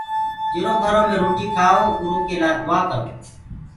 جرو گھرو مي روٽي کآئو اُرو لآ دُآآ ڪرو